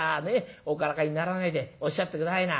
おからかいにならないでおっしゃって下さいな」。